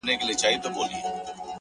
تا چي پر لمانځه له ياده وباسم;